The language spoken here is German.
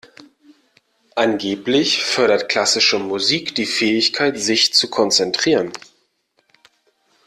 Angeblich fördert klassische Musik die Fähigkeit, sich zu konzentrieren.